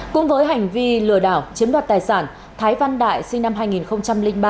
cũng với hành vi lừa đảo chiếm đoạt tài sản thái văn đại sinh năm hai nghìn ba